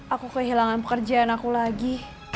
aku kehilangan pekerjaan aku lagi